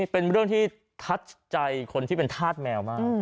เป็นเรื่องที่ทัดใจคนที่เป็นธาตุแมวมาก